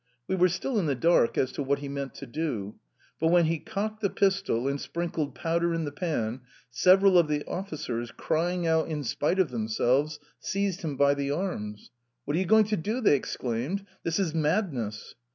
We were still in the dark as to what he meant to do. But, when he cocked the pistol and sprinkled powder in the pan, several of the officers, crying out in spite of themselves, seized him by the arms. "What are you going to do?" they exclaimed. "This is madness!"